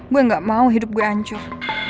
gue nggak mau hidup gue ancur